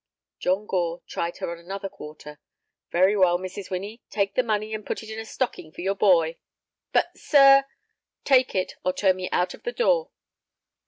John Gore tried her on another quarter. "Very well, Mrs. Winnie, take the money and put it in a stocking for your boy." "But, sir—" "Take it, or turn me out of the door.